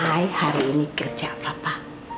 ai hari ini kerja papa